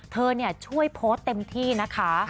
เธอเนี่ยช่วยโพสเต็มที่นะคะ